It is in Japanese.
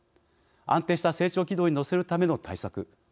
安定した成長軌道に乗せるための対策。